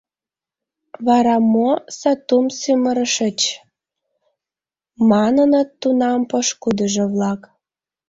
«Вара, мо сатум сӱмырышыч?» — маныныт тунам пошкудыжо-влак.